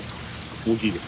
大きいで。